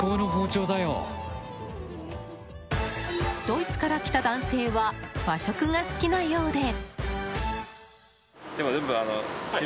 ドイツから来た男性は和食が好きなようで。